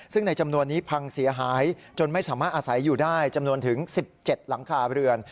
ซึ่งในจำนวนนี้พังเสียหายจนไม่สามารถอาศัยอยู่ได้จำนวนถึง๑๗หลังคาเรือน